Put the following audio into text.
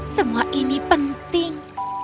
semua ini penting